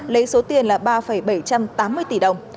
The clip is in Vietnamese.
lấy số tiền là ba bảy trăm tám mươi tỷ đồng